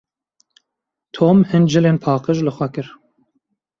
Tom hin cilên paqij li xwe kir.